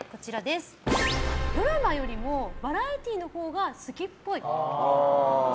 ドラマよりもバラエティーのほうが好きっぽい。